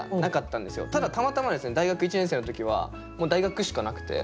ただたまたまですね大学１年生の時はもう大学しかなくて。